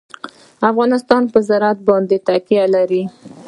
افغانستان په زراعت باندې تکیه لري.